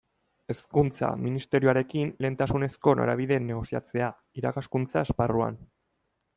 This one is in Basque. Hezkuntza Ministerioarekin lehentasunezko norabideen negoziatzea, irakaskuntza esparruan.